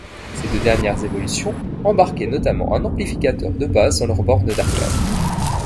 Ces deux dernières évolutions embarquaient notamment un amplificateur de basse dans leurs bornes d'arcade.